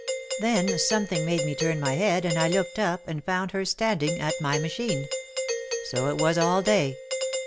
Then something made me turn my head and I looked up and found her standing at my machine. So it was all day.